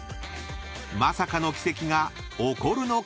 ［まさかの奇跡が起こるのか？］